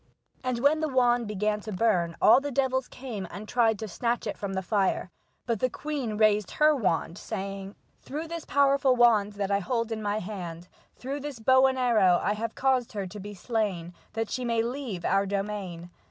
And when the wand began to burn all the devils came and tried to snatch it from the fire, but the queen raised her wand, saying : "Through this powerful wand that I hold in my hand, Through this bow and arrow I have caused her to be slain, That she may leave our domain.